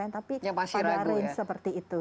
tapi pada hari ini seperti itu